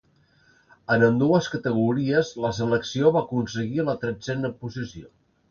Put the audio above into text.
En ambdues categories la selecció va aconseguir la tretzena posició.